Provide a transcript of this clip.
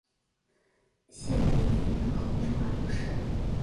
谢迪尼人口变化图示